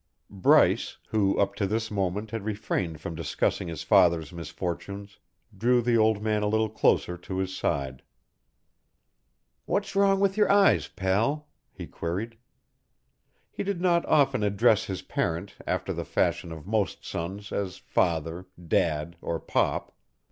Bryce, who up to this moment had refrained from discussing his father's misfortunes, drew the old man a little closer to his side. "What's wrong with your eyes, pal?" he queried. He did not often address his parent, after the fashion of most sons, as "Father," "Dad" or "Pop."